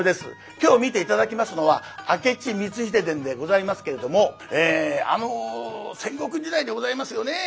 今日見て頂きますのは「明智光秀伝」でございますけれどもあの戦国時代でございますよね。